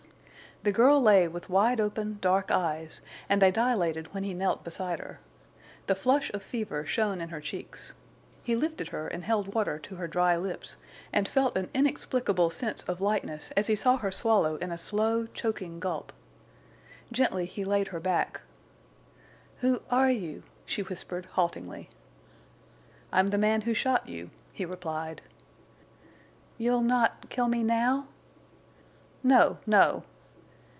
The girl lay with wide open, dark eyes, and they dilated when he knelt beside her. The flush of fever shone in her cheeks. He lifted her and held water to her dry lips, and felt an inexplicable sense of lightness as he saw her swallow in a slow, choking gulp. Gently he laid her back. "Who—are—you?" she whispered, haltingly. "I'm the man who shot you," he replied. "You'll—not—kill me—now?" "No, no."